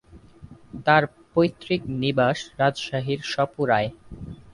তার পৈতৃক নিবাস রাজশাহীর সপুরায়।